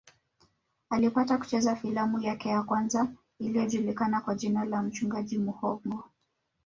Alipata kucheza filamu yake ya kwanza iliyojulikana kwa jina la mchungaji muongo